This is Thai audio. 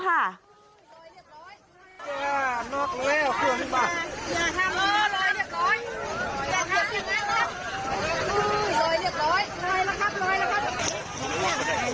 ร้อยเรียบร้อยร้อยละครับร้อยละครับ